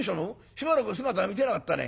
しばらく姿見せなかったね」。